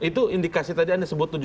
nah itu indikasi tadi anda sebut tujuh juta